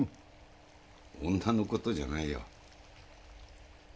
女の事じゃないよ。